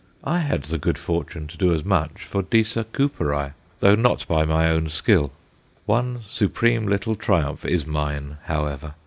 I had the good fortune to do as much for Disa Cooperi, though not by my own skill. One supreme little triumph is mine, however.